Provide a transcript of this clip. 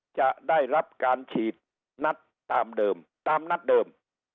จะได้รับการฉีดนัดตามนัดเดิม